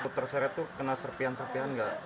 terseret itu kena serpian serpian nggak